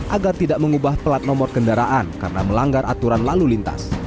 agar tidak mengubah pelat nomor kendaraan karena melanggar aturan lalu lintas